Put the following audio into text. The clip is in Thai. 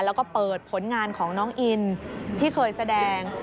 แล้วก็เปิดผลงานของน้องอินที่เคยแสดง